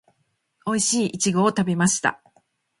おいしいイチゴを食べました